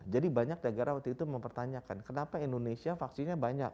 jadi banyak negara waktu itu mempertanyakan kenapa indonesia vaksinnya banyak